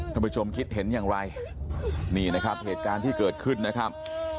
ท่านผู้ชมคิดเห็นอย่างไรนี่นะครับเหตุการณ์ที่เกิดขึ้นนะครับ